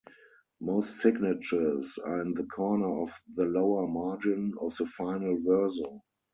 Most signatures are in the corner of the lower margin of the final verso.